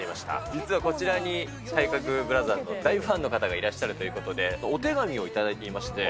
実はこちらに体格ブラザーズの大ファンの方がいらっしゃるということで、お手紙を頂いていまして。